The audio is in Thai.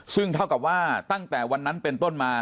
ซึ่งเท่ากับว่าตั้งแต่วันนั้นเป็นต้นมา